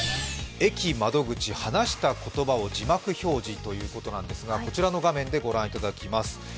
駅窓口、話した言葉を字幕表示ということでこちらの画面でご覧いただきます。